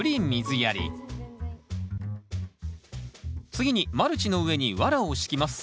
次にマルチの上にワラを敷きます。